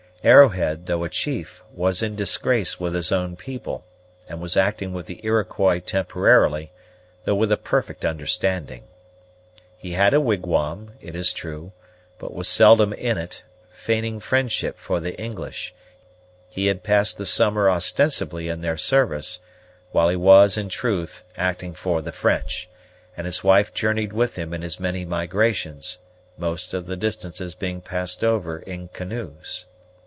Arrowhead, though a chief, was in disgrace with his own people, and was acting with the Iroquois temporarily, though with a perfect understanding. He had a wigwam, it is true, but was seldom in it; feigning friendship for the English, he had passed the summer ostensibly in their service, while he was, in truth, acting for the French, and his wife journeyed with him in his many migrations, most of the distances being passed over in canoes.